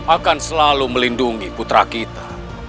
akan selalu melindungi putra kita